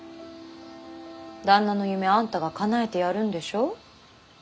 旦那の夢あんたがかなえてやるんでしょ？